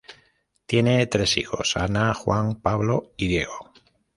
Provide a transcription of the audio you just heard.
Tienen tres hijos: Ana, Juan Pablo y Diego.